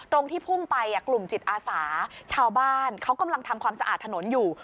ตรงที่พุ่งไปกลุ่มจิตอาสาชาวบ้านเขากำลังทำความสะอาดถนนอยู่